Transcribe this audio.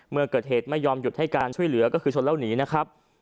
เมื่อเกิดเหตุไม่ยอมหยุดให้การช่วยเหลือก็คือชนแล้วหนีนะครับ